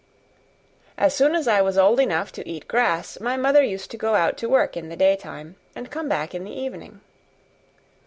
As soon as I was old enough to eat grass my mother used to go out to work in the daytime, and come back in the evening.